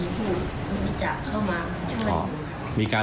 สวัสดีครับ